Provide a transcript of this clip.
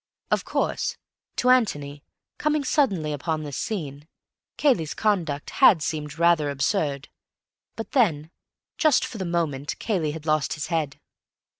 Of course, to Antony, coming suddenly upon this scene, Cayley's conduct had seemed rather absurd, but then, just for the moment, Cayley had lost his head.